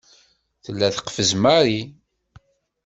Tella teqfez Mary.